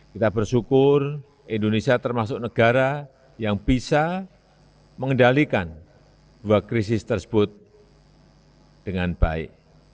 kita bersyukur indonesia termasuk negara yang bisa mengendalikan dua krisis tersebut dengan baik